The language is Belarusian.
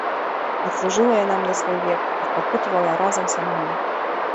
Адслужыла яна мне свой век, адпакутавала разам са мной.